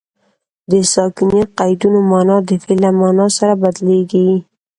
د ساکني قیدونو مانا د فعل له مانا سره بدلیږي.